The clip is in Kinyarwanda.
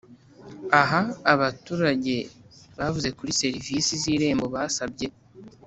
Aha abaturage bavuze kuri serivisi z irembo basabye